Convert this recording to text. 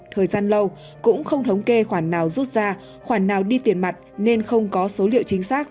thời gian lâu cũng không thống kê khoản nào rút ra khoản nào đi tiền mặt nên không có số liệu chính xác